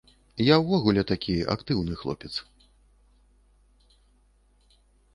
Я ўвогуле такі, актыўны хлопец.